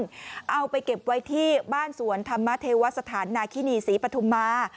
เอาไปเก็บไว้ที่บ้านสวนธรรมเทวสถานนาคินีศรีปฐุมา